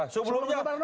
sebelumnya kan belum